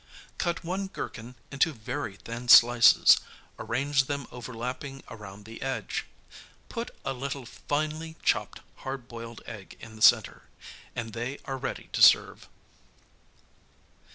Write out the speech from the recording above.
Cut one gherkin into very thin slices, arrange them overlapping around the edge; put a little finely chopped hard boiled egg in the center, and they are ready to serve.